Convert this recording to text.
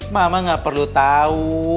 mama gak perlu tau